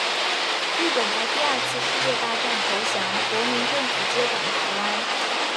日本在第二次世界大战投降，国民政府接管台湾。